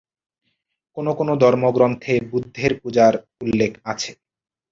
কোনো কোনো ধর্মগ্রন্থে বুদ্ধের পূজার উল্লেখ আছে।